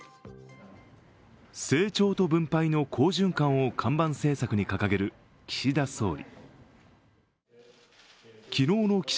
成長と分配の好循環を看板政策に掲げる岸田総理。